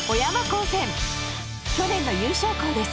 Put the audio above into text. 去年の優勝校です。